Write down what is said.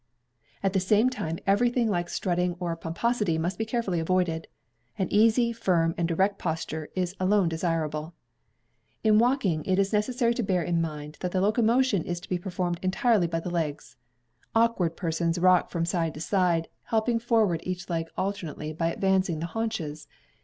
At the same time, everything like strutting or pomposity must be carefully avoided. An easy, firm, and erect posture is alone desirable. In walking, it is necessary to bear in mind that the locomotion is to be performed entirely by the legs. Awkward persons rock from side to side, helping forward each leg alternately by advancing the haunches.